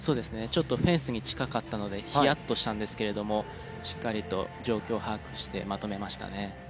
ちょっとフェンスに近かったのでヒヤッとしたんですけれどもしっかりと状況を把握してまとめましたね。